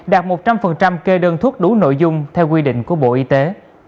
đạt một trăm linh kê đơn thuốc đủ nội dung theo quy định của bộ y tế